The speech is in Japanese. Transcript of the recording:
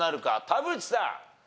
田渕さん。